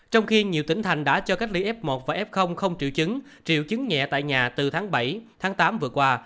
trong khi nhiều tỉnh thành đã cho cách ly f một và f không triệu chứng triệu chứng nhẹ tại nhà từ tháng bảy tháng tám vừa qua